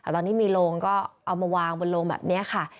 ตอนนี้มีโรงก็เอามาวางบนโลงแบบนี้ค่ะ